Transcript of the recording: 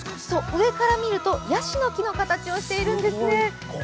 上から見るとヤシの木の形をしているんですね。